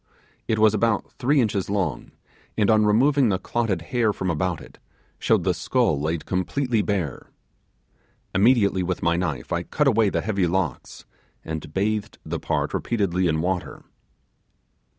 It was about three inches long, and on removing the clotted hair from about it, showed the skull laid completely bare. Immediately with my knife I cut away the heavy locks, and bathed the part repeatedly in water.